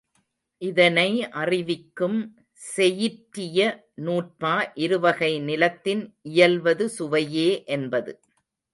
இதனை அறிவிக்கும் செயிற்றிய நூற்பா, இருவகை நிலத்தின் இயல்வது சுவையே என்பது.